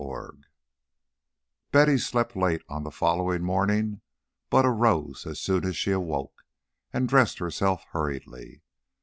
XXV Betty slept late on the following morning, but arose as soon as she awoke and dressed herself hurriedly.